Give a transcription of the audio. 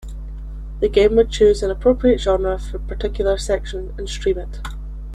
The game would choose an appropriate genre for a particular section, and stream it.